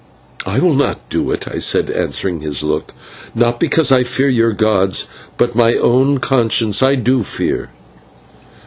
"I will not do it," I said, answering his look, "not because I fear your gods, but my own conscience I do fear."